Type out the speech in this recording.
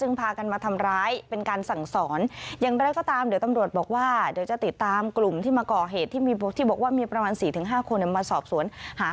เหรอเป็นคนไทยหรือเป็นพม่า